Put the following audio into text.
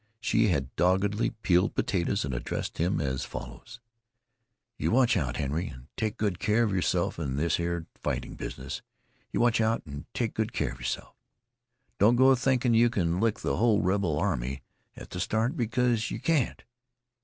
She had doggedly peeled potatoes and addressed him as follows: "You watch out, Henry, an' take good care of yerself in this here fighting business you watch out, an' take good care of yerself. Don't go a thinkin' you can lick the hull rebel army at the start, because yeh can't.